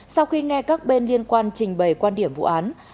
sau khi nghe các bên liên quan trình bày quan điểm vụ án